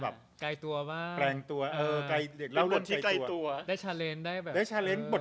แบบ